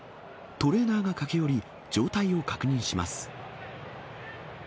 トレーナーが駆け寄り、状態を確認します。